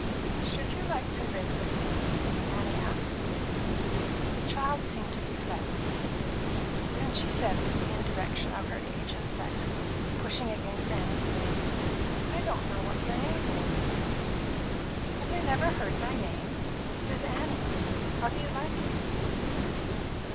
"Should you like to live with me?" Annie asked. The child seemed to reflect. Then she said, with the indirection of her age and sex, pushing against Annie's knee, "I don't know what your name is." "Have you never heard my name? It's Annie. How do you like it?"